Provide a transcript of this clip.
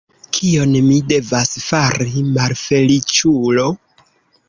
Kion mi devas fari, malfeliĉulo?